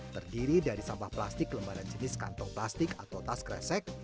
terdiri dari sampah plastik lembaran jenis kantong plastik atau tas kresek